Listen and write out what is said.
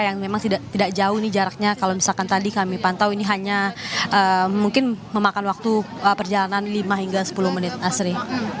yang memang tidak jauh jaraknya kalau misalkan tadi kami pantau ini hanya mungkin memakan waktu perjalanan lima hingga sepuluh menit asri